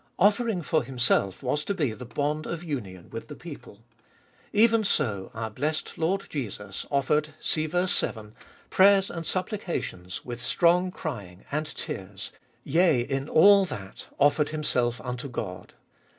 Offering for himself was to be the bond of union with the people. Even so our blessed Lord Gbe Iboliest of Bit 177 Jesus offered (see ver. 7), prayers and supplications with strong crying and tears, yea, in all that, offered Himself unto God.